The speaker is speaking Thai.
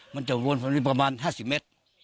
มันจะวนพอดีประมาณ๕๐เมตร